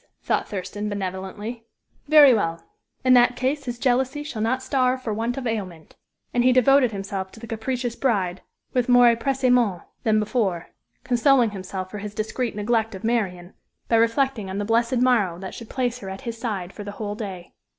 thought Thurston, benevolently. "Very well! in that case his jealousy shall not starve for want of ailment;" and he devoted himself to the capricious bride with more impressement than before consoling himself for his discreet neglect of Marian by reflecting on the blessed morrow that should place her at his side for the whole day.